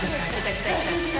来た来た来た。